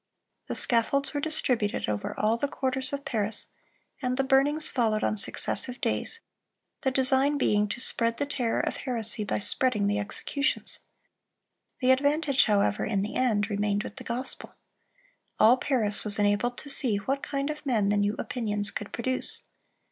"The scaffolds were distributed over all the quarters of Paris, and the burnings followed on successive days, the design being to spread the terror of heresy by spreading the executions. The advantage, however, in the end, remained with the gospel. All Paris was enabled to see what kind of men the new opinions could produce.